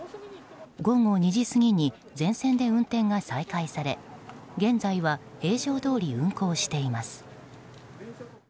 午後２時過ぎに全線で運転が再開され現在は平常どおり運行しています。